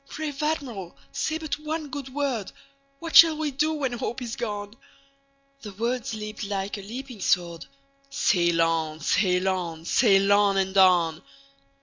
Brave Admiral, say but one good word:What shall we do when hope is gone?"The words leapt like a leaping sword:"Sail on! sail on! sail on! and on!"